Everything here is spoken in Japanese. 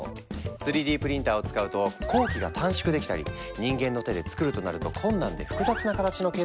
３Ｄプリンターを使うと工期が短縮できたり人間の手でつくるとなると困難で複雑な形の建造物ができたりするんだ。